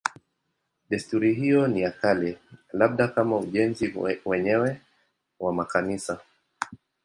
Desturi hiyo ni ya kale, labda kama ujenzi wenyewe wa makanisa.